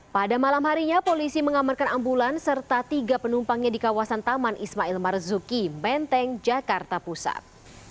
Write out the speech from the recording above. pada malam harinya polisi mengamarkan ambulans serta tiga penumpangnya di kawasan taman ismail marzuki menteng jakarta pusat